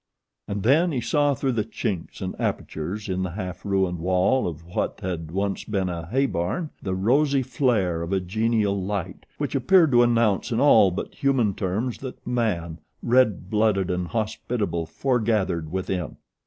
And then he saw through the chinks and apertures in the half ruined wall of what had once been a hay barn the rosy flare of a genial light which appeared to announce in all but human terms that man, red blooded and hospitable, forgathered within.